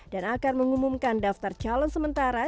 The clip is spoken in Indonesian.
dan akan mengumumkan daftar calon sementara